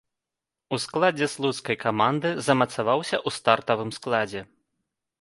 У складзе слуцкай каманды замацаваўся ў стартавым складзе.